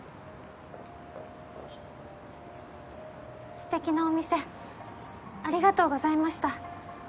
ステキなお店ありがとうございました。